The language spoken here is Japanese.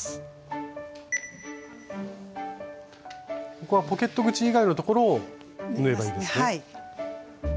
ここはポケット口以外のところを縫えばいいですね。